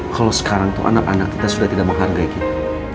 kalau sekarang itu anak anak kita sudah tidak menghargai kita